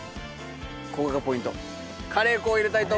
ここがポイント。